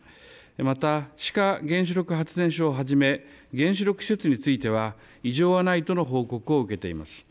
また志賀原子力発電所をはじめ原子力施設については異常はないとの報告を受けています。